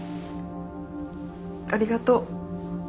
ありがとう。